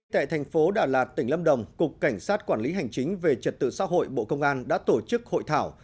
tại thành phố đà lạt tỉnh lâm đồng cục cảnh sát quản lý hành chính về trật tự xã hội bộ công an đã tổ chức hội thảo